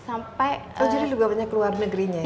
oh jadi lu banyak keluar negerinya ya